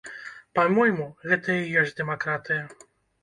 Па-мойму, гэта і ёсць дэмакратыя.